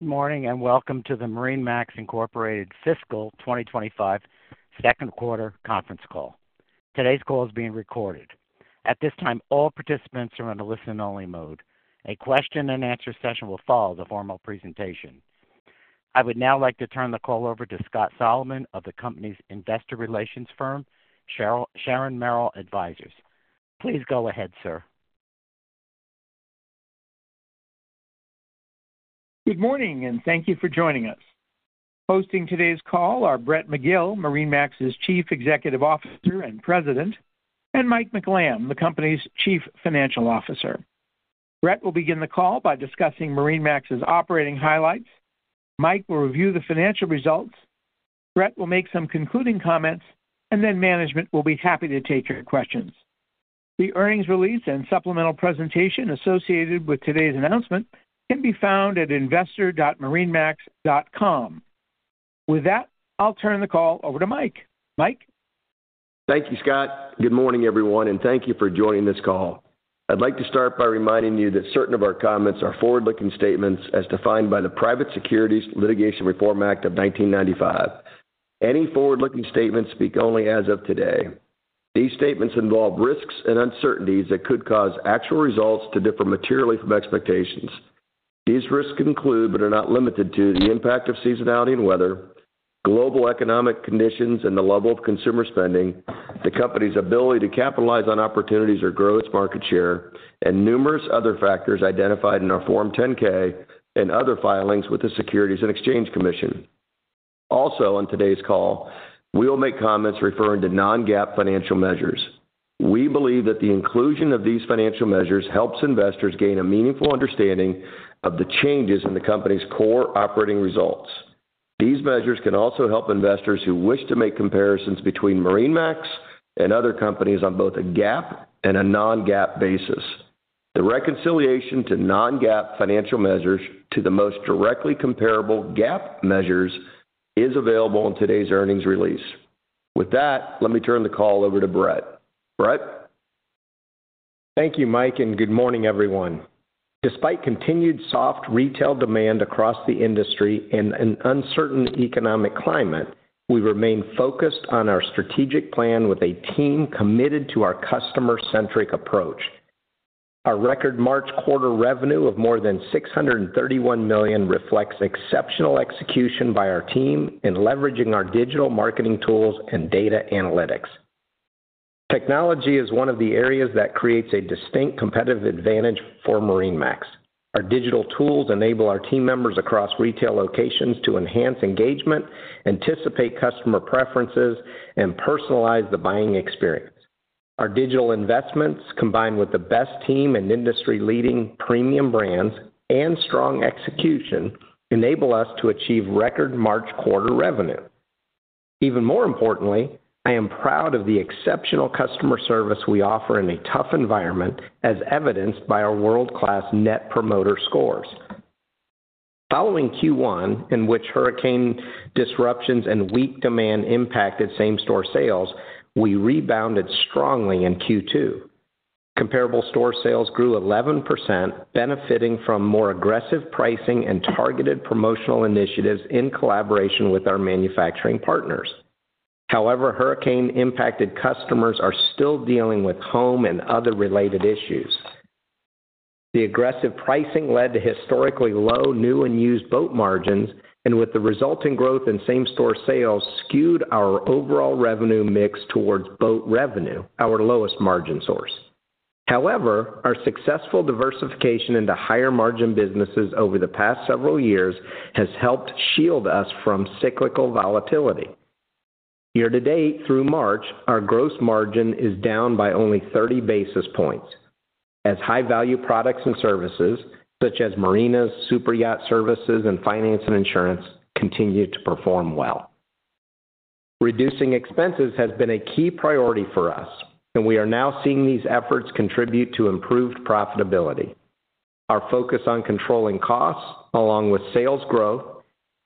Good morning and welcome to the MarineMax Fiscal 2025 Q2 conference call. Today's call is being recorded. At this time, all participants are in a listen-only mode. A question-and-answer session will follow the formal presentation. I would now like to turn the call over to Scott Solomon of the company's investor relations firm, Sharon Merrill Advisors. Please go ahead, sir. Good morning and thank you for joining us. Hosting today's call are Brett McGill, MarineMax's Chief Executive Officer and President, and Mike McLamb, the company's Chief Financial Officer. Brett will begin the call by discussing MarineMax's operating highlights. Mike will review the financial results. Brett will make some concluding comments, and then management will be happy to take your questions. The earnings release and supplemental presentation associated with today's announcement can be found at investor.marinemax.com. With that, I'll turn the call over to Mike. Mike. Thank you, Scott. Good morning, everyone, and thank you for joining this call. I'd like to start by reminding you that certain of our comments are forward-looking statements as defined by the Private Securities Litigation Reform Act of 1995. Any forward-looking statements speak only as of today. These statements involve risks and uncertainties that could cause actual results to differ materially from expectations. These risks include, but are not limited to, the impact of seasonality and weather, global economic conditions and the level of consumer spending, the company's ability to capitalize on opportunities or grow its market share, and numerous other factors identified in our Form 10-K and other filings with the Securities and Exchange Commission. Also, on today's call, we will make comments referring to non-GAAP financial measures. We believe that the inclusion of these financial measures helps investors gain a meaningful understanding of the changes in the company's core operating results. These measures can also help investors who wish to make comparisons between MarineMax and other companies on both a GAAP and a non-GAAP basis. The reconciliation to non-GAAP financial measures to the most directly comparable GAAP measures is available in today's earnings release. With that, let me turn the call over to Brett. Brett. Thank you, Mike, and good morning, everyone. Despite continued soft retail demand across the industry and an uncertain economic climate, we remain focused on our strategic plan with a team committed to our customer-centric approach. Our record March quarter revenue of more than $631 million reflects exceptional execution by our team in leveraging our digital marketing tools and data analytics. Technology is one of the areas that creates a distinct competitive advantage for MarineMax. Our digital tools enable our team members across retail locations to enhance engagement, anticipate customer preferences, and personalize the buying experience. Our digital investments, combined with the best team and industry-leading premium brands and strong execution, enable us to achieve record March quarter revenue. Even more importantly, I am proud of the exceptional customer service we offer in a tough environment, as evidenced by our World-class Net Promoter Scores. Following Q1, in which hurricane disruptions and weak demand impacted same-store sales, we rebounded strongly in Q2. Comparable store sales grew 11%, benefiting from more aggressive pricing and targeted promotional initiatives in collaboration with our manufacturing partners. However, hurricane-impacted customers are still dealing with home and other related issues. The aggressive pricing led to historically low new and used boat margins, and with the resulting growth in same-store sales skewed our overall revenue mix towards boat revenue, our lowest margin source. However, our successful diversification into higher-margin businesses over the past several years has helped shield us from cyclical volatility. Year-to-date, through March, our gross margin is down by only 30 basis points, as high-value products and services, such as marinas, superyacht services, and finance and insurance, continue to perform well. Reducing expenses has been a key priority for us, and we are now seeing these efforts contribute to improved profitability. Our focus on controlling costs, along with sales growth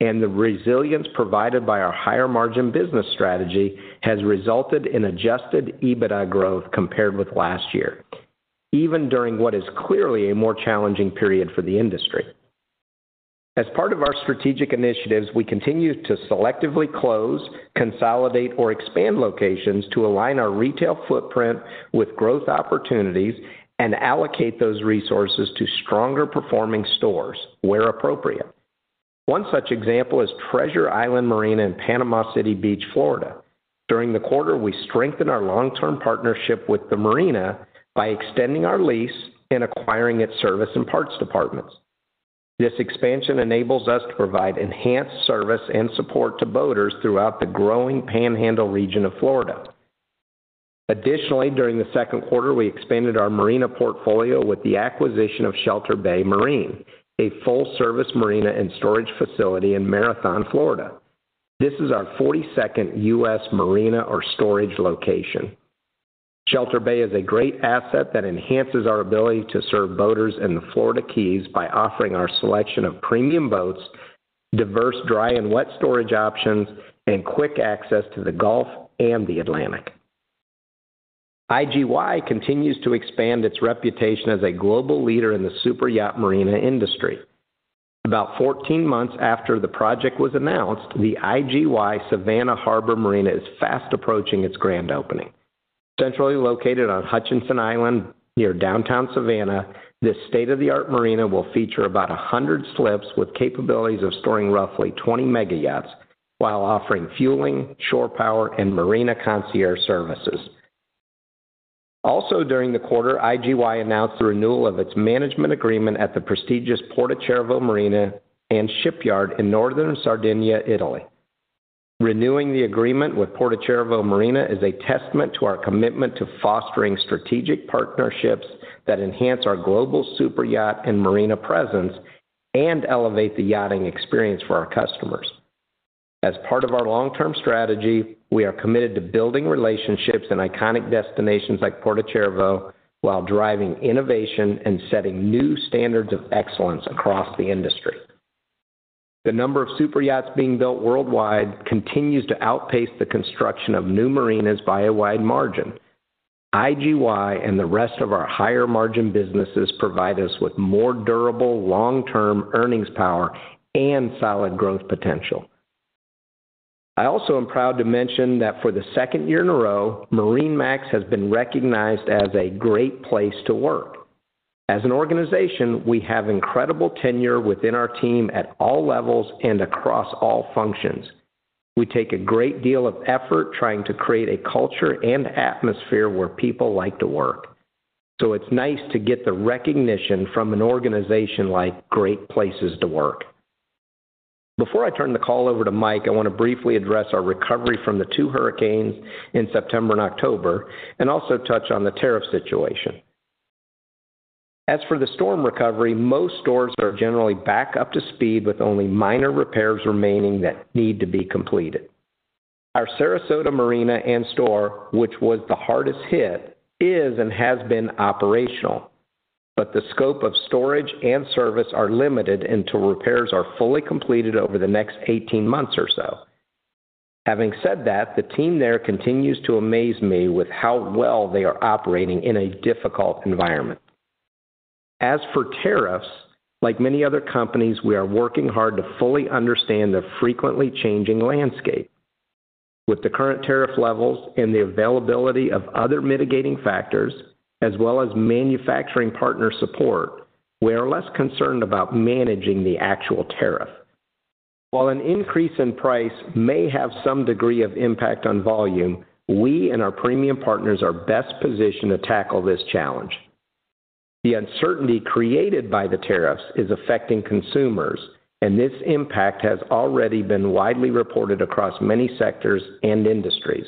and the resilience provided by our higher-margin business strategy, has resulted in adjusted EBITDA growth compared with last year, even during what is clearly a more challenging period for the industry. As part of our strategic initiatives, we continue to selectively close, consolidate, or expand locations to align our retail footprint with growth opportunities and allocate those resources to stronger-performing stores where appropriate. One such example is Treasure Island Marina in Panama City Beach, Florida. During the quarter, we strengthened our long-term partnership with the marina by extending our lease and acquiring its service and parts departments. This expansion enables us to provide enhanced service and support to boaters throughout the growing Panhandle region of Florida. Additionally, during the Q2, we expanded our marina portfolio with the acquisition of Shelter Bay Marine, a full-service marina and storage facility in Marathon, Florida. This is our 42nd U.S. marina or storage location. Shelter Bay is a great asset that enhances our ability to serve boaters in the Florida Keys by offering our selection of premium boats, diverse dry and wet storage options, and quick access to the Gulf and the Atlantic. IGY continues to expand its reputation as a global leader in the superyacht marina industry. About 14 months after the project was announced, the IGY Savannah Harbor Marina is fast approaching its grand opening. Centrally located on Hutchinson Island near downtown Savannah, this state-of-the-art marina will feature about 100 slips with capabilities of storing roughly 20 mega yachts while offering fueling, shore power, and marina concierge services. Also, during the quarter, IGY announced the renewal of its management agreement at the prestigious Porto Cervo Marina and Shipyard in northern Sardinia, Italy. Renewing the agreement with Porto Cervo Marina is a testament to our commitment to fostering strategic partnerships that enhance our global superyacht and marina presence and elevate the yachting experience for our customers. As part of our long-term strategy, we are committed to building relationships in iconic destinations like Porto Cervo while driving innovation and setting new standards of excellence across the industry. The number of superyachts being built worldwide continues to outpace the construction of new marinas by a wide margin. IGY and the rest of our higher-margin businesses provide us with more durable long-term earnings power and solid growth potential. I also am proud to mention that for the second year in a row, MarineMax has been recognized as a great place to work. As an organization, we have incredible tenure within our team at all levels and across all functions. We take a great deal of effort trying to create a culture and atmosphere where people like to work. It is nice to get the recognition from an organization like Great Place to Work. Before I turn the call over to Mike, I want to briefly address our recovery from the two hurricanes in September and October and also touch on the tariff situation. As for the storm recovery, most stores are generally back up to speed with only minor repairs remaining that need to be completed. Our Sarasota Marina and store, which was the hardest hit, is and has been operational, but the scope of storage and service is limited until repairs are fully completed over the next 18 months or so. Having said that, the team there continues to amaze me with how well they are operating in a difficult environment. As for tariffs, like many other companies, we are working hard to fully understand the frequently changing landscape. With the current tariff levels and the availability of other mitigating factors, as well as manufacturing partner support, we are less concerned about managing the actual tariff. While an increase in price may have some degree of impact on volume, we and our premium partners are best positioned to tackle this challenge. The uncertainty created by the tariffs is affecting consumers, and this impact has already been widely reported across many sectors and industries.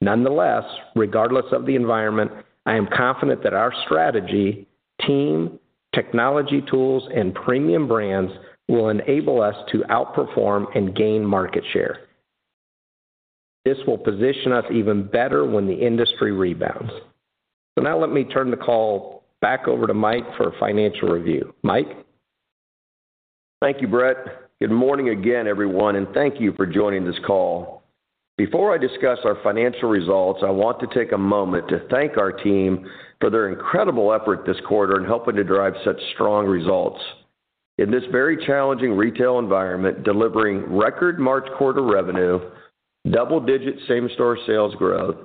Nonetheless, regardless of the environment, I am confident that our strategy, team, technology tools, and premium brands will enable us to outperform and gain market share. This will position us even better when the industry rebounds. Let me turn the call back over to Mike for financial review. Mike. Thank you, Brett. Good morning again, everyone, and thank you for joining this call. Before I discuss our financial results, I want to take a moment to thank our team for their incredible effort this quarter in helping to drive such strong results. In this very challenging retail environment, delivering record March quarter revenue, double-digit same-store sales growth,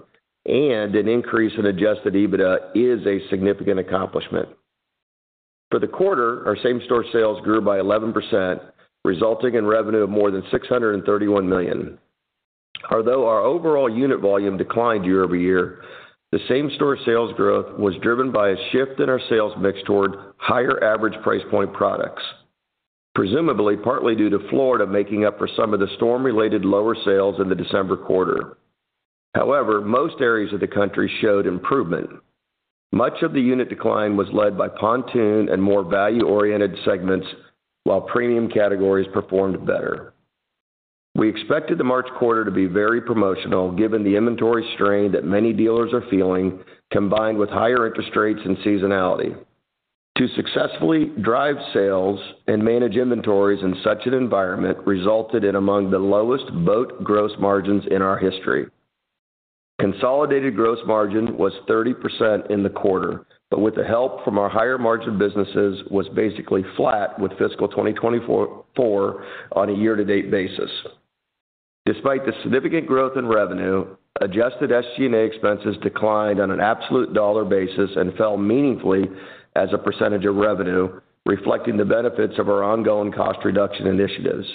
and an increase in adjusted EBITDA is a significant accomplishment. For the quarter, our same-store sales grew by 11%, resulting in revenue of more than $631 million. Although our overall unit volume declined year over year, the same-store sales growth was driven by a shift in our sales mix toward higher average price point products, presumably partly due to Florida making up for some of the storm-related lower sales in the December quarter. However, most areas of the country showed improvement. Much of the unit decline was led by pontoon and more value-oriented segments, while premium categories performed better. We expected the March quarter to be very promotional, given the inventory strain that many dealers are feeling, combined with higher interest rates and seasonality. To successfully drive sales and manage inventories in such an environment resulted in among the lowest boat gross margins in our history. Consolidated gross margin was 30% in the quarter, but with the help from our higher-margin businesses, was basically flat with fiscal 2024 on a year-to-date basis. Despite the significant growth in revenue, adjusted SG&A expenses declined on an absolute dollar basis and fell meaningfully as a percentage of revenue, reflecting the benefits of our ongoing cost reduction initiatives.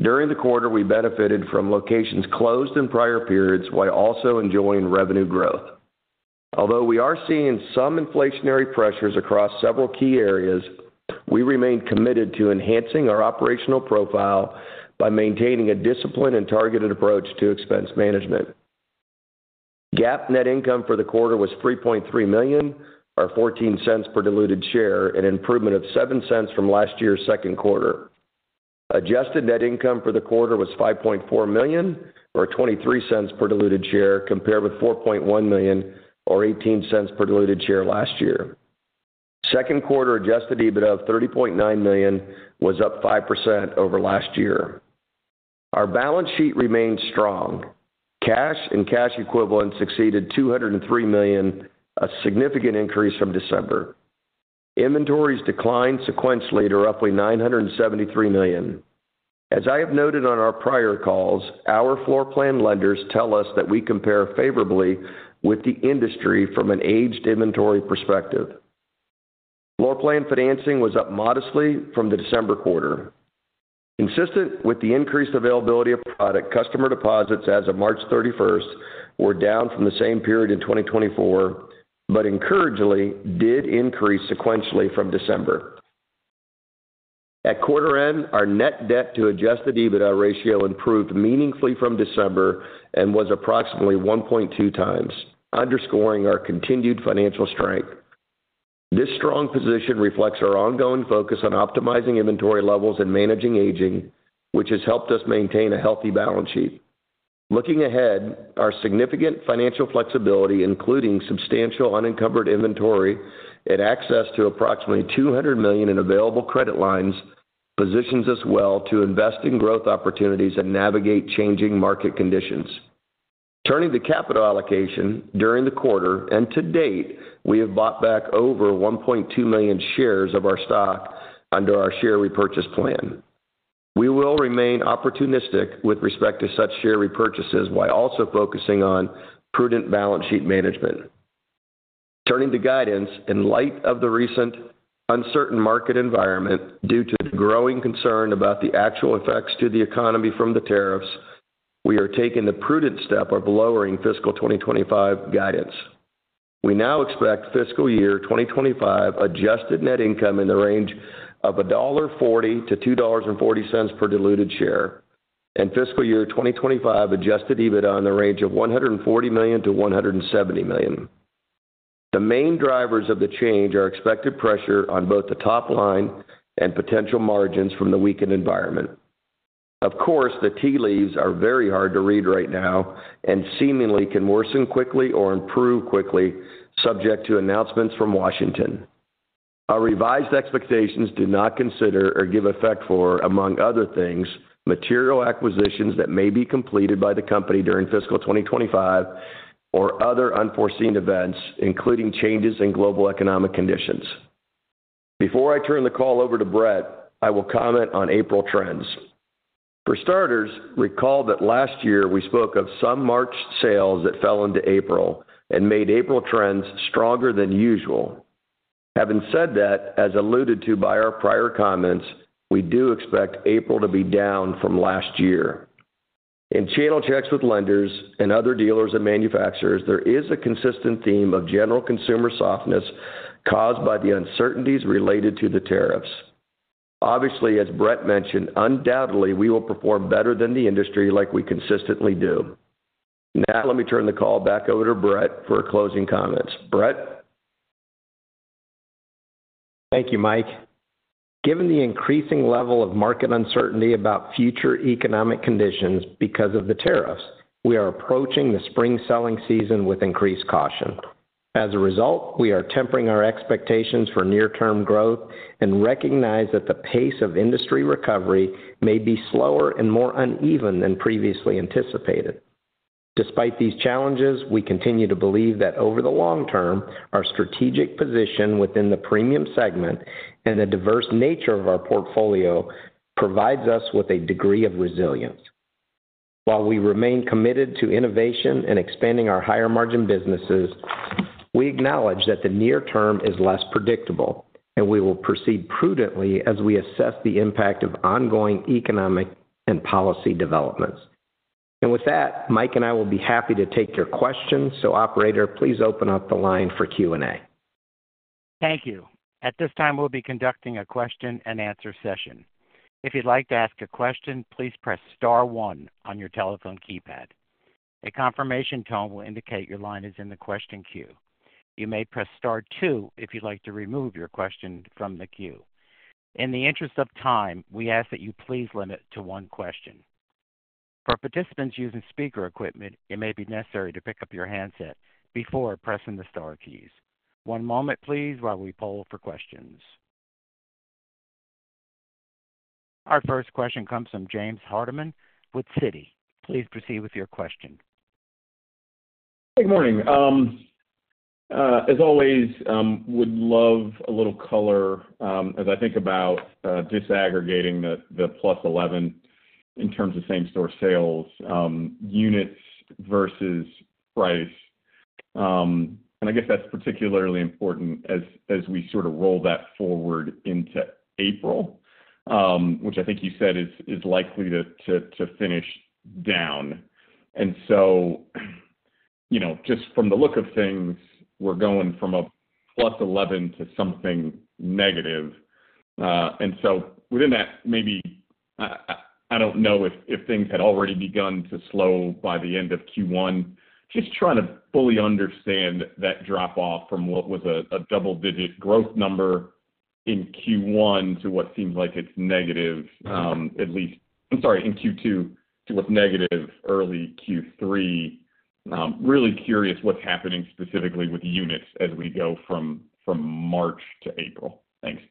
During the quarter, we benefited from locations closed in prior periods while also enjoying revenue growth. Although we are seeing some inflationary pressures across several key areas, we remain committed to enhancing our operational profile by maintaining a disciplined and targeted approach to expense management. GAAP net income for the quarter was $3.3 million, or $0.14 per diluted share, an improvement of $0.07 from last year's Q2. Adjusted net income for the quarter was $5.4 million, or $0.23 per diluted share, compared with $4.1 million, or $0.18 per diluted share last year. Q2 adjusted EBITDA of $30.9 million was up 5% over last year. Our balance sheet remained strong. Cash and cash equivalents exceeded $203 million, a significant increase from December. Inventories declined sequentially to roughly $973 million. As I have noted on our prior calls, our floor plan lenders tell us that we compare favorably with the industry from an aged inventory perspective. Floor plan financing was up modestly from the December quarter. Consistent with the increased availability of product, customer deposits as of March 31 were down from the same period in 2024, but encouragingly did increase sequentially from December. At quarter end, our net debt to adjusted EBITDA ratio improved meaningfully from December and was approximately 1.2 times, underscoring our continued financial strength. This strong position reflects our ongoing focus on optimizing inventory levels and managing aging, which has helped us maintain a healthy balance sheet. Looking ahead, our significant financial flexibility, including substantial unencumbered inventory and access to approximately $200 million in available credit lines, positions us well to invest in growth opportunities and navigate changing market conditions. Turning to capital allocation, during the quarter and to date, we have bought back over 1.2 million shares of our stock under our share repurchase plan. We will remain opportunistic with respect to such share repurchases while also focusing on prudent balance sheet management. Turning to guidance, in light of the recent uncertain market environment due to the growing concern about the actual effects to the economy from the tariffs, we are taking the prudent step of lowering fiscal 2025 guidance. We now expect fiscal year 2025 adjusted net income in the range of $1.40 - $2.40 per diluted share, and fiscal year 2025 adjusted EBITDA in the range of $140 million - $170 million. The main drivers of the change are expected pressure on both the top line and potential margins from the weakened environment. Of course, the tea leaves are very hard to read right now and seemingly can worsen quickly or improve quickly, subject to announcements from Washington. Our revised expectations do not consider or give effect for, among other things, material acquisitions that may be completed by the company during fiscal 2025 or other unforeseen events, including changes in global economic conditions. Before I turn the call over to Brett, I will comment on April trends. For starters, recall that last year we spoke of some March sales that fell into April and made April trends stronger than usual. Having said that, as alluded to by our prior comments, we do expect April to be down from last year. In channel checks with lenders and other dealers and manufacturers, there is a consistent theme of general consumer softness caused by the uncertainties related to the tariffs. Obviously, as Brett mentioned, undoubtedly we will perform better than the industry like we consistently do. Now let me turn the call back over to Brett for closing comments. Brett. Thank you, Mike. Given the increasing level of market uncertainty about future economic conditions because of the tariffs, we are approaching the spring selling season with increased caution. As a result, we are tempering our expectations for near-term growth and recognize that the pace of industry recovery may be slower and more uneven than previously anticipated. Despite these challenges, we continue to believe that over the long term, our strategic position within the premium segment and the diverse nature of our portfolio provides us with a degree of resilience. While we remain committed to innovation and expanding our higher-margin businesses, we acknowledge that the near term is less predictable, and we will proceed prudently as we assess the impact of ongoing economic and policy developments. Mike and I will be happy to take your questions, so operator, please open up the line for Q&A. Thank you. At this time, we'll be conducting a question-and-answer session. If you'd like to ask a question, please press star one on your telephone keypad. A confirmation tone will indicate your line is in the question queue. You may press star two if you'd like to remove your question from the queue. In the interest of time, we ask that you please limit to one question. For participants using speaker equipment, it may be necessary to pick up your handset before pressing the star keys. One moment, please, while we poll for questions. Our first question comes from James Hardiman with Citi. Please proceed with your question. Good morning. As always, would love a little color as I think about disaggregating the plus 11 in terms of same-store sales, units versus price. I guess that's particularly important as we sort of roll that forward into April, which I think you said is likely to finish down. Just from the look of things, we're going from a plus 11 to something negative. Within that, maybe I don't know if things had already begun to slow by the end of Q1. Just trying to fully understand that drop-off from what was a double-digit growth number in Q1 to what seems like it's negative, at least, I'm sorry, in Q2 to what's negative early Q3. Really curious what's happening specifically with units as we go from March to April. Thanks.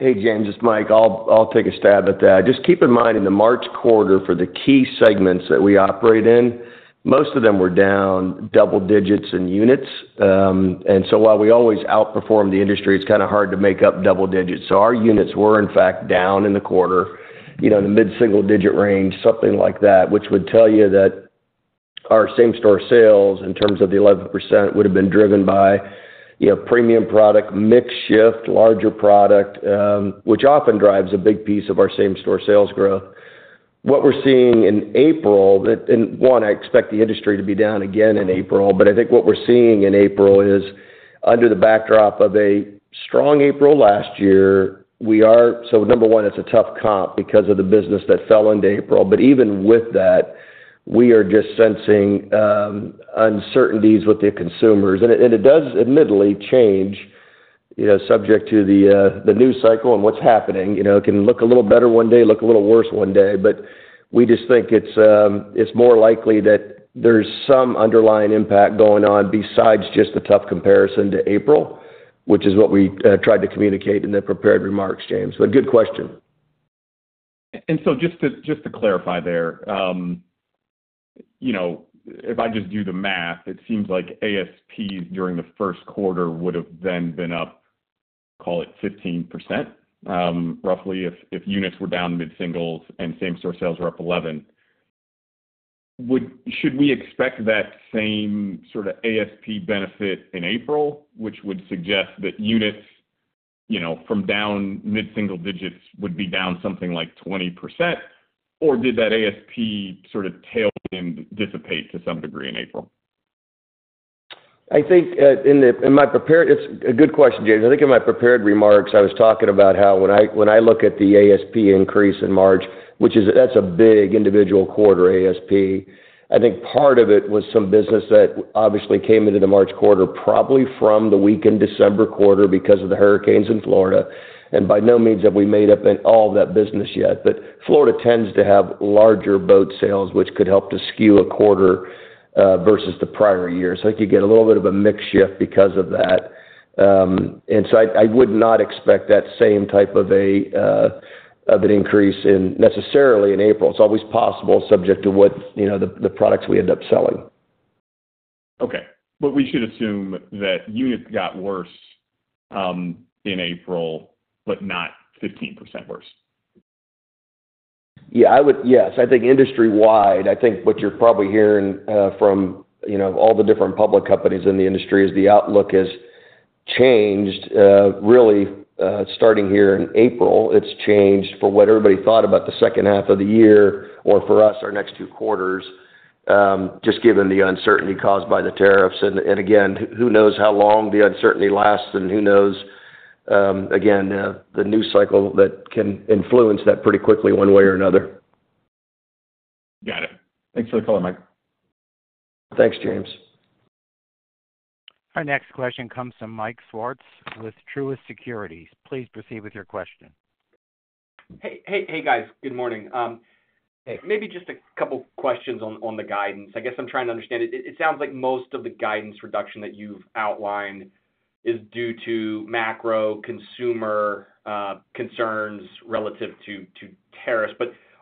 Hey, James, just Mike. I'll take a stab at that. Just keep in mind in the March quarter for the key segments that we operate in, most of them were down double digits in units. While we always outperform the industry, it's kind of hard to make up double digits. Our units were in fact down in the quarter, in the mid-single-digit range, something like that, which would tell you that our same-store sales in terms of the 11% would have been driven by premium product, mixed shift, larger product, which often drives a big piece of our same-store sales growth. What we're seeing in April, and one, I expect the industry to be down again in April, but I think what we're seeing in April is under the backdrop of a strong April last year. We are, so number one, it's a tough comp because of the business that fell into April. Even with that, we are just sensing uncertainties with the consumers. It does admittedly change, subject to the news cycle and what's happening. It can look a little better one day, look a little worse one day, but we just think it's more likely that there's some underlying impact going on besides just the tough comparison to April, which is what we tried to communicate in the prepared remarks, James. Good question. Just to clarify there, if I just do the math, it seems like ASPs during the first quarter would have then been up, call it 15%, roughly, if units were down mid-singles and same-store sales were up 11%. Should we expect that same sort of ASP benefit in April, which would suggest that units from down mid-single digits would be down something like 20%, or did that ASP sort of tail-end dissipate to some degree in April? I think in my prepared remarks, it's a good question, James. I think in my prepared remarks, I was talking about how when I look at the ASP increase in March, which is a big individual quarter ASP, I think part of it was some business that obviously came into the March quarter, probably from the week December quarter because of the hurricanes in Florida. By no means have we made up all of that business yet. Florida tends to have larger boat sales, which could help to skew a quarter versus the prior year. I think you get a little bit of a mix shift because of that. I would not expect that same type of an increase necessarily in April. It's always possible, subject to what the products we end up selling. Okay. We should assume that units got worse in April, but not 15% worse. Yeah. Yes. I think industry-wide, I think what you're probably hearing from all the different public companies in the industry is the outlook has changed. Really, starting here in April, it's changed for what everybody thought about the second half of the year or for us, our next two quarters, just given the uncertainty caused by the tariffs. Again, who knows how long the uncertainty lasts and who knows, again, the news cycle that can influence that pretty quickly one way or another. Got it. Thanks for the call, Mike. Thanks, James. Our next question comes from Mike Swartz with Truist Securities. Please proceed with your question. Hey, guys. Good morning. Maybe just a couple of questions on the guidance. I guess I'm trying to understand. It sounds like most of the guidance reduction that you've outlined is due to macro consumer concerns relative to tariffs.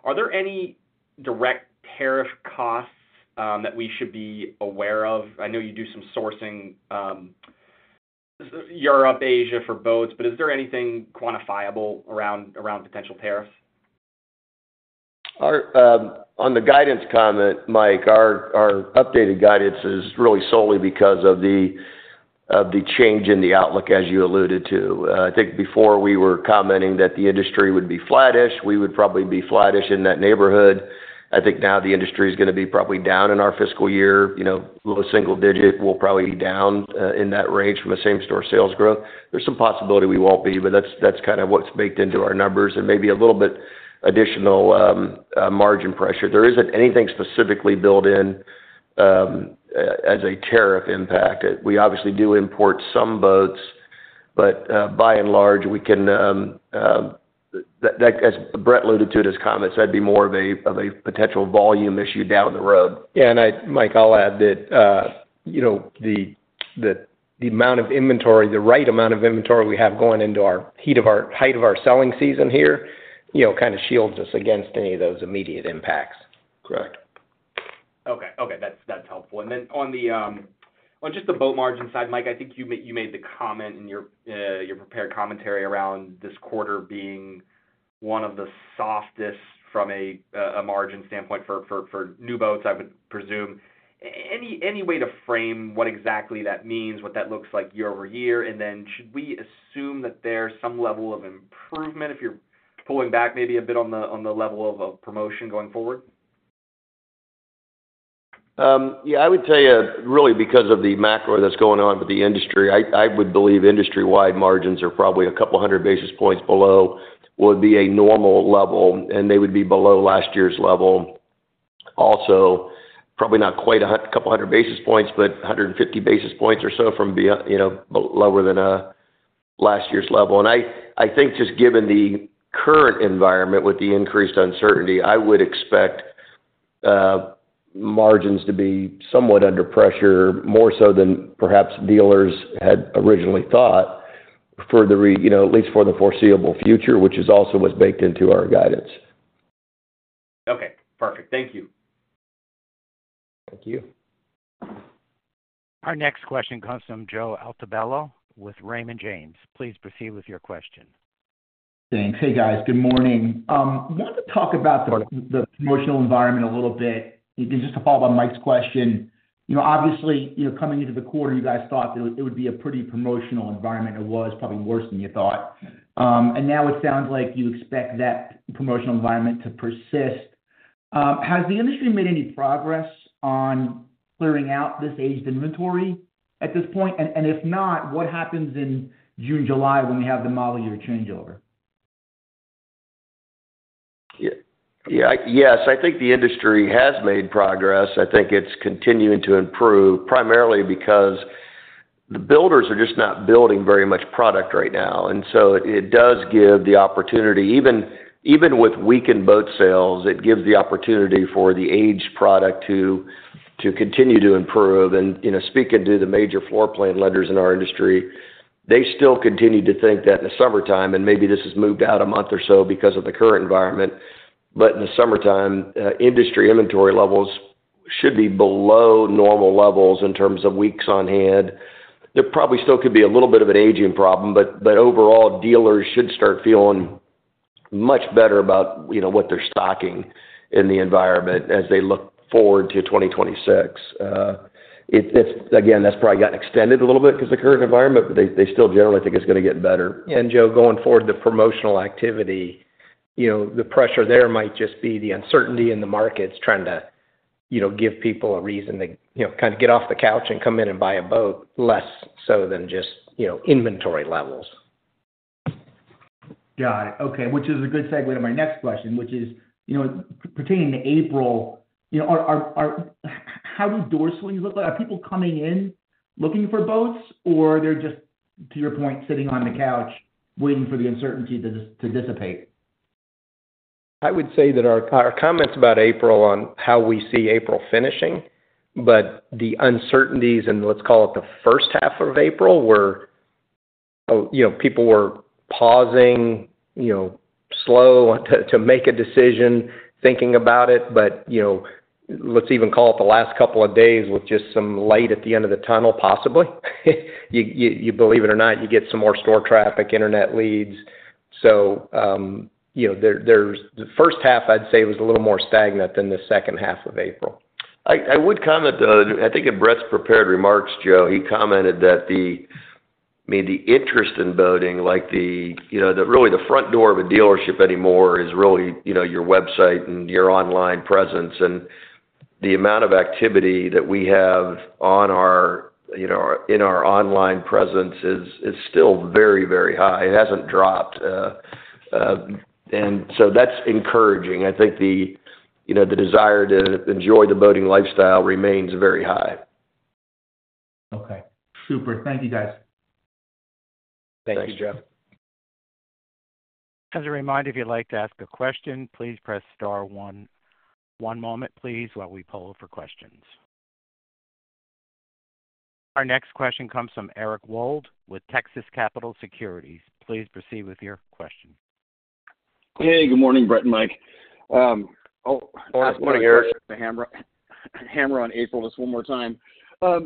Are there any direct tariff costs that we should be aware of? I know you do some sourcing Europe, Asia for boats, is there anything quantifiable around potential tariffs? On the guidance comment, Mike, our updated guidance is really solely because of the change in the outlook, as you alluded to. I think before we were commenting that the industry would be flattish, we would probably be flattish in that neighborhood. I think now the industry is going to be probably down in our fiscal year. Low single digit will probably be down in that range from a same-store sales growth. There's some possibility we won't be, but that's kind of what's baked into our numbers and maybe a little bit additional margin pressure. There isn't anything specifically built in as a tariff impact. We obviously do import some boats, but by and large, we can as Brett alluded to in his comments, that'd be more of a potential volume issue down the road. Yeah. Mike, I'll add that the amount of inventory, the right amount of inventory we have going into our height of our selling season here kind of shields us against any of those immediate impacts. Correct. Okay. Okay. That's helpful. On just the boat margin side, Mike, I think you made the comment in your prepared commentary around this quarter being one of the softest from a margin standpoint for new boats, I would presume. Any way to frame what exactly that means, what that looks like year over year? Should we assume that there's some level of improvement if you're pulling back maybe a bit on the level of promotion going forward? Yeah. I would tell you really because of the macro that's going on with the industry, I would believe industry-wide margins are probably a couple hundred basis points below what would be a normal level, and they would be below last year's level. Also, probably not quite a couple hundred basis points, but 150 basis points or so lower than last year's level. I think just given the current environment with the increased uncertainty, I would expect margins to be somewhat under pressure, more so than perhaps dealers had originally thought for at least the foreseeable future, which is also what's baked into our guidance. Okay. Perfect. Thank you. Thank you. Our next question comes from Joe Altobello with Raymond James. Please proceed with your question. Thanks. Hey, guys. Good morning. I want to talk about the promotional environment a little bit. Just to follow up on Mike's question, obviously, coming into the quarter, you guys thought that it would be a pretty promotional environment. It was probably worse than you thought. Now it sounds like you expect that promotional environment to persist. Has the industry made any progress on clearing out this aged inventory at this point? If not, what happens in June, July when we have the model year changeover? Yeah. Yes. I think the industry has made progress. I think it's continuing to improve primarily because the builders are just not building very much product right now. It does give the opportunity. Even with weakened boat sales, it gives the opportunity for the aged product to continue to improve. Speaking to the major floor plan lenders in our industry, they still continue to think that in the summertime, and maybe this has moved out a month or so because of the current environment, in the summertime, industry inventory levels should be below normal levels in terms of weeks on hand. There probably still could be a little bit of an aging problem, but overall, dealers should start feeling much better about what they're stocking in the environment as they look forward to 2026. Again, that's probably gotten extended a little bit because of the current environment, but they still generally think it's going to get better. Joe, going forward, the promotional activity, the pressure there might just be the uncertainty in the markets trying to give people a reason to kind of get off the couch and come in and buy a boat less so than just inventory levels. Got it. Okay. Which is a good segue to my next question, which is pertaining to April, how do door swings look like? Are people coming in looking for boats, or they're just, to your point, sitting on the couch waiting for the uncertainty to dissipate? I would say that our comments about April on how we see April finishing, but the uncertainties in, let's call it the first half of April, where people were pausing, slow to make a decision, thinking about it. Let's even call it the last couple of days with just some light at the end of the tunnel, possibly. You believe it or not, you get some more store traffic, internet leads. The first half, I'd say, was a little more stagnant than the second half of April. I would comment, I think in Brett's prepared remarks, Joe, he commented that the interest in boating, like really the front door of a dealership anymore, is really your website and your online presence. The amount of activity that we have in our online presence is still very, very high. It has not dropped. That is encouraging. I think the desire to enjoy the boating lifestyle remains very high. Okay. Super. Thank you, guys. Thank you, Joe. As a reminder, if you'd like to ask a question, please press star one. One moment, please, while we poll for questions. Our next question comes from Eric Wold with Texas Capital Securities. Please proceed with your question. Hey, good morning, Brett and Mike. Oh, good morning, Eric. The hammer on April just one more time. I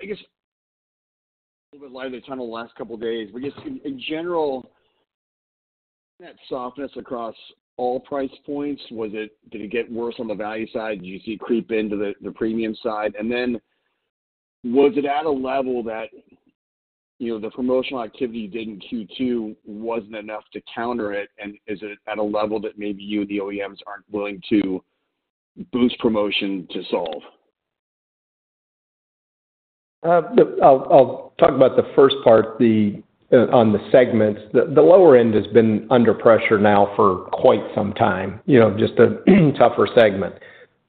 guess a little bit lighter the tunnel the last couple of days. Just in general, that softness across all price points, did it get worse on the value side? Did you see it creep into the premium side? Was it at a level that the promotional activity did in Q2 was not enough to counter it? Is it at a level that maybe you and the OEMs are not willing to boost promotion to solve? I'll talk about the first part on the segments. The lower end has been under pressure now for quite some time, just a tougher segment.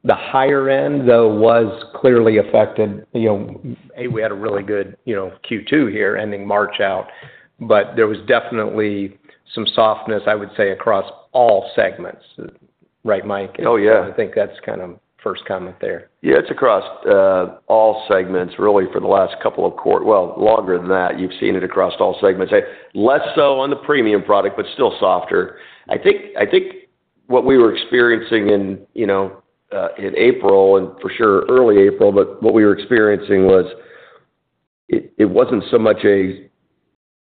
The higher end, though, was clearly affected. A, we had a really good Q2 here ending March out, but there was definitely some softness, I would say, across all segments. Right, Mike? Oh, yeah. I think that's kind of first comment there. Yeah. It's across all segments really for the last couple of quarters. Longer than that, you've seen it across all segments. Less so on the premium product, but still softer. I think what we were experiencing in April, and for sure early April, but what we were experiencing was it wasn't so much a,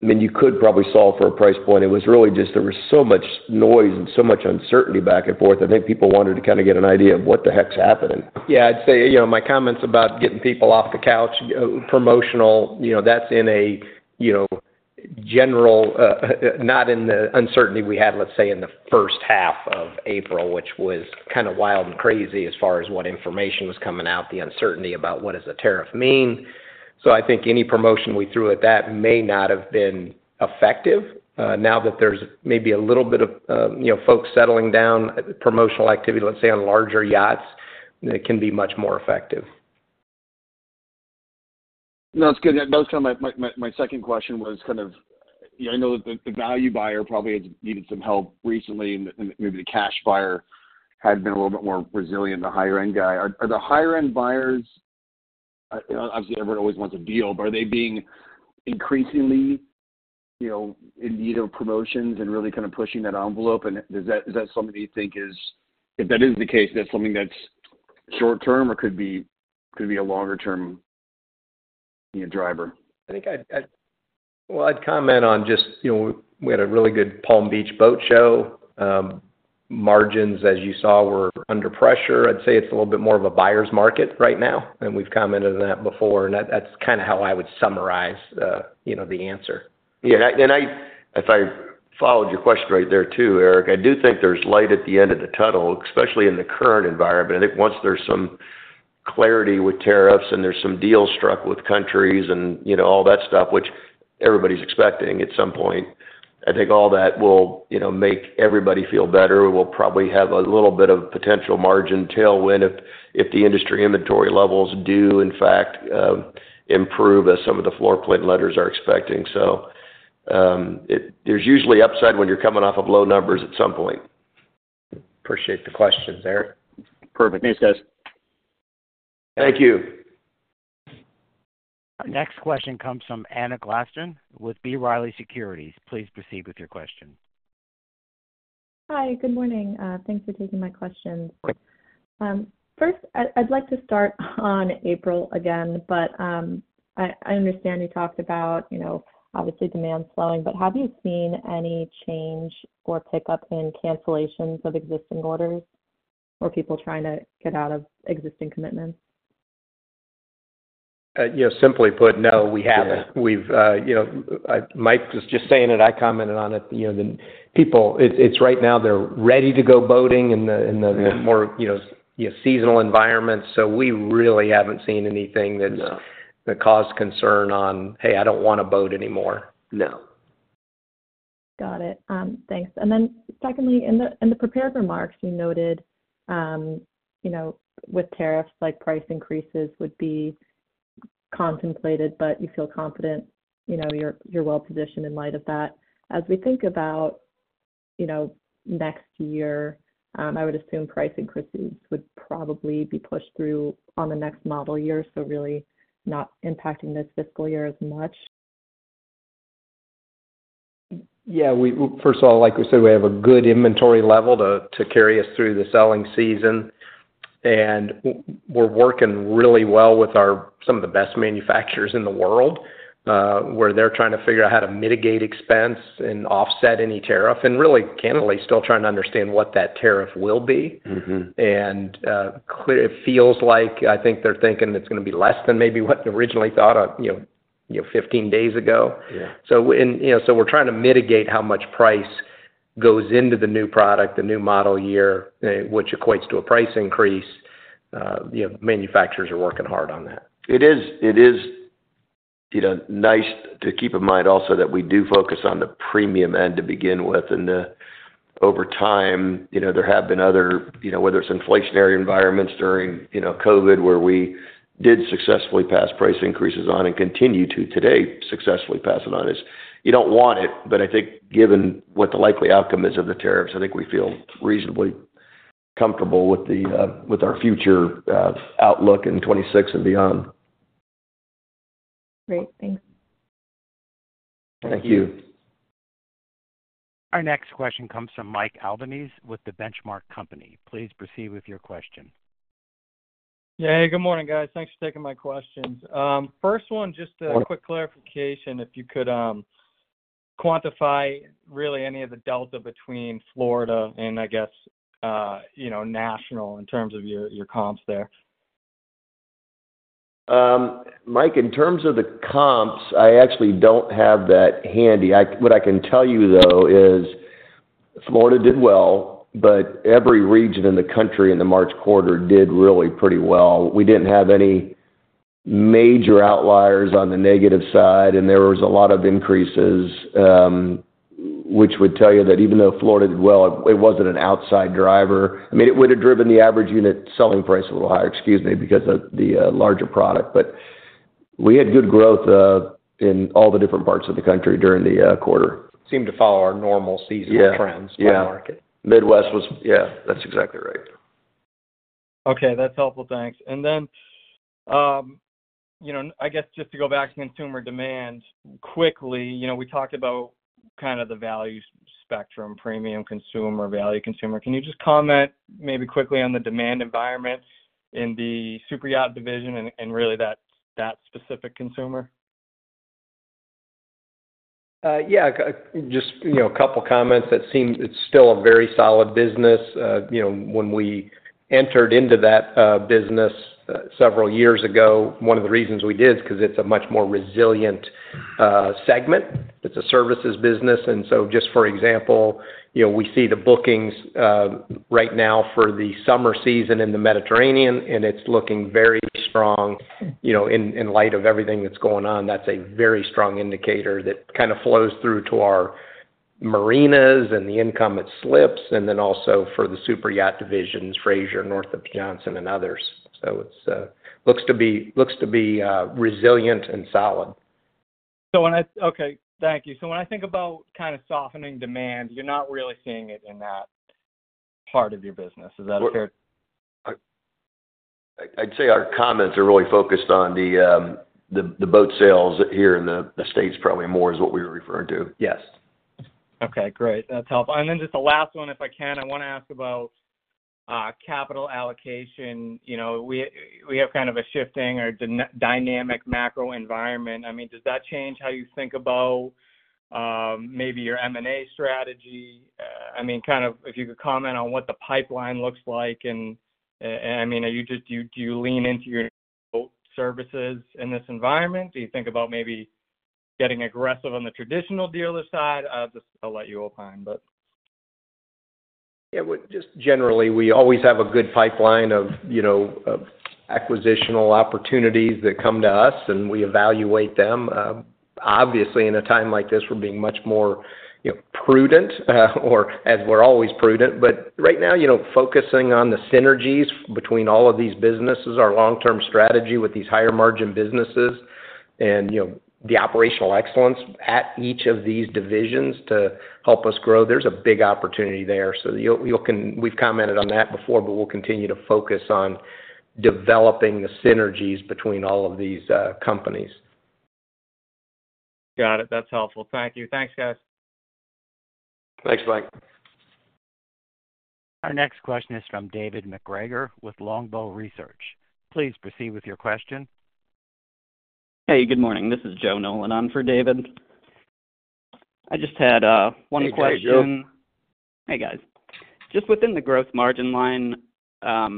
I mean, you could probably solve for a price point. It was really just there was so much noise and so much uncertainty back and forth. I think people wanted to kind of get an idea of what the heck's happening. Yeah. I'd say my comments about getting people off the couch, promotional, that's in a general not in the uncertainty we had, let's say, in the first half of April, which was kind of wild and crazy as far as what information was coming out, the uncertainty about what does a tariff mean. I think any promotion we threw at that may not have been effective. Now that there's maybe a little bit of folks settling down, promotional activity, let's say, on larger yachts, it can be much more effective. No, that's good. That was kind of my second question was kind of I know that the value buyer probably has needed some help recently, and maybe the cash buyer had been a little bit more resilient, the higher-end guy. Are the higher-end buyers obviously, everyone always wants a deal, but are they being increasingly in need of promotions and really kind of pushing that envelope? Is that something that you think is, if that is the case, that's something that's short-term or could be a longer-term driver? I’d comment on just we had a really good Palm Beach boat show. Margins, as you saw, were under pressure. I’d say it’s a little bit more of a buyer’s market right now. We’ve commented on that before. That’s kind of how I would summarize the answer. Yeah. If I followed your question right there too, Eric, I do think there's light at the end of the tunnel, especially in the current environment. I think once there's some clarity with tariffs and there's some deals struck with countries and all that stuff, which everybody's expecting at some point, I think all that will make everybody feel better. We'll probably have a little bit of potential margin tailwind if the industry inventory levels do, in fact, improve as some of the floor plan lenders are expecting. There's usually upside when you're coming off of low numbers at some point. Appreciate the questions, Eric. Perfect. Thanks, guys. Thank you. Our next question comes from Anna Glaessgen with B. Riley Securities. Please proceed with your question. Hi. Good morning. Thanks for taking my questions. First, I'd like to start on April again, but I understand you talked about, obviously, demand slowing. Have you seen any change or pickup in cancellations of existing orders or people trying to get out of existing commitments? Simply put, no, we haven't. Mike was just saying it. I commented on it. Right now they're ready to go boating in the more seasonal environment. We really haven't seen anything that caused concern on, "Hey, I don't want to boat anymore. No. Got it. Thanks. In the prepared remarks, you noted with tariffs, price increases would be contemplated, but you feel confident you're well-positioned in light of that. As we think about next year, I would assume price increases would probably be pushed through on the next model year, so really not impacting this fiscal year as much. Yeah. First of all, like we said, we have a good inventory level to carry us through the selling season. We are working really well with some of the best manufacturers in the world where they are trying to figure out how to mitigate expense and offset any tariff. Really, candidly, still trying to understand what that tariff will be. It feels like I think they are thinking it is going to be less than maybe what they originally thought 15 days ago. We are trying to mitigate how much price goes into the new product, the new model year, which equates to a price increase. Manufacturers are working hard on that. It is nice to keep in mind also that we do focus on the premium end to begin with. Over time, there have been other, whether it's inflationary environments during COVID where we did successfully pass price increases on and continue to today successfully pass it on. You don't want it, but I think given what the likely outcome is of the tariffs, I think we feel reasonably comfortable with our future outlook in 2026 and beyond. Great. Thanks. Thank you. Our next question comes from Mike Albanese with the Benchmark Company. Please proceed with your question. Yeah. Hey, good morning, guys. Thanks for taking my questions. First one, just a quick clarification, if you could quantify really any of the delta between Florida and, I guess, national in terms of your comps there. Mike, in terms of the comps, I actually don't have that handy. What I can tell you, though, is Florida did well, but every region in the country in the March quarter did really pretty well. We didn't have any major outliers on the negative side, and there was a lot of increases, which would tell you that even though Florida did well, it wasn't an outside driver. I mean, it would have driven the average unit selling price a little higher, excuse me, because of the larger product. But we had good growth in all the different parts of the country during the quarter. Seemed to follow our normal seasonal trends for the market. Yeah. Midwest was, yeah. That's exactly right. Okay. That's helpful. Thanks. I guess just to go back to consumer demand quickly, we talked about kind of the value spectrum, premium consumer, value consumer. Can you just comment maybe quickly on the demand environment in the superyacht division and really that specific consumer? Yeah. Just a couple of comments. It's still a very solid business. When we entered into that business several years ago, one of the reasons we did is because it's a much more resilient segment. It's a services business. Just for example, we see the bookings right now for the summer season in the Mediterranean, and it's looking very strong in light of everything that's going on. That's a very strong indicator that kind of flows through to our marinas and the income at slips, and then also for the superyacht divisions, Fraser, Northrop & Johnson, and others. It looks to be resilient and solid. Thank you. When I think about kind of softening demand, you're not really seeing it in that part of your business. Is that fair? I'd say our comments are really focused on the boat sales here in the States, probably more is what we were referring to. Yes. Okay. Great. That's helpful. Then just the last one, if I can, I want to ask about capital allocation. We have kind of a shifting or dynamic macro environment. I mean, does that change how you think about maybe your M&A strategy? I mean, kind of if you could comment on what the pipeline looks like. I mean, do you lean into your boat services in this environment? Do you think about maybe getting aggressive on the traditional dealer side? I'll let you open, but. Yeah. Just generally, we always have a good pipeline of acquisitional opportunities that come to us, and we evaluate them. Obviously, in a time like this, we're being much more prudent or as we're always prudent. Right now, focusing on the synergies between all of these businesses, our long-term strategy with these higher-margin businesses, and the operational excellence at each of these divisions to help us grow, there's a big opportunity there. We've commented on that before, but we'll continue to focus on developing the synergies between all of these companies. Got it. That's helpful. Thank you. Thanks, guys. Thanks, Mike. Our next question is from David McGregor with Longbow Research. Please proceed with your question. Hey, good morning. This is Joe Nolan for David. I just had one question. Hey, guys. Hey, guys. Just within the gross margin line, how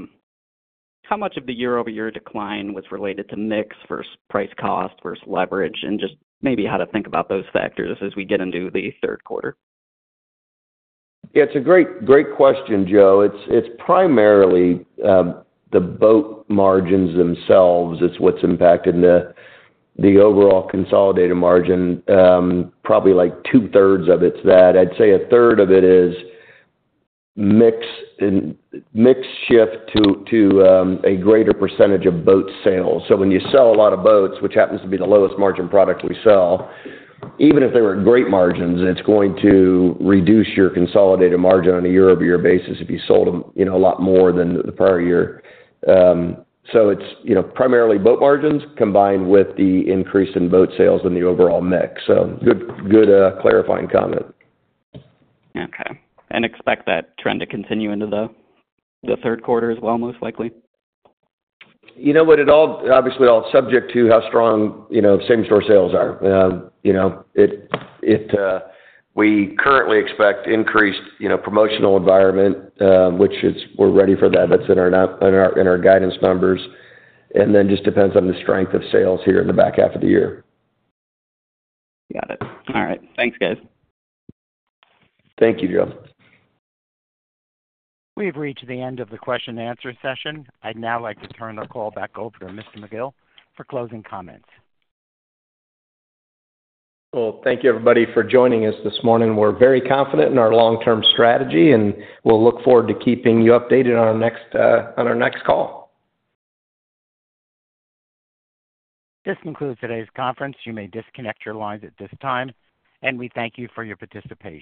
much of the year-over-year decline was related to mix versus price-cost versus leverage, and just maybe how to think about those factors as we get into the third quarter? Yeah. It's a great question, Joe. It's primarily the boat margins themselves. It's what's impacting the overall consolidated margin. Probably like two-thirds of it's that. I'd say a third of it is mix shift to a greater percentage of boat sales. When you sell a lot of boats, which happens to be the lowest margin product we sell, even if they were at great margins, it's going to reduce your consolidated margin on a year-over-year basis if you sold them a lot more than the prior year. It's primarily boat margins combined with the increase in boat sales and the overall mix. Good clarifying comment. Okay. Do you expect that trend to continue into the third quarter as well, most likely? You know what? Obviously, all subject to how strong same-store sales are. We currently expect increased promotional environment, which we're ready for that. That's in our guidance numbers. It just depends on the strength of sales here in the back half of the year. Got it. All right. Thanks, guys. Thank you, Joe. We've reached the end of the question-and-answer session. I'd now like to turn the call back over to Mr. McGill for closing comments. Thank you, everybody, for joining us this morning. We're very confident in our long-term strategy, and we'll look forward to keeping you updated on our next call. This concludes today's conference. You may disconnect your lines at this time. We thank you for your participation.